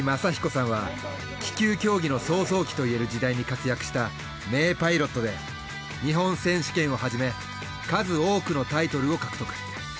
気球競技の草創期と言える時代に活躍した名パイロットで日本選手権をはじめ数多くのタイトルを獲得。